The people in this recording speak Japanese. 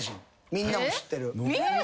みんなも知ってる？